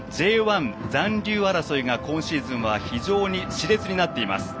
Ｊ１残留争いが今シーズンは非常にしれつになっています。